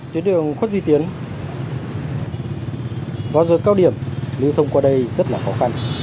tuyến đường khuất duy tiến vào giờ cao điểm lưu thông qua đây rất là khó khăn